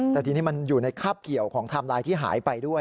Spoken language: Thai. แต่ทีนี้มันอยู่ในคาบเกี่ยวของไทม์ไลน์ที่หายไปด้วย